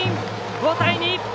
５対２！